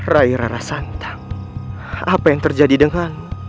ray rara santang apa yang terjadi denganmu